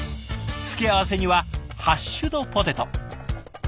付け合わせにはハッシュドポテト。